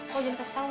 kok jenkes tahu ya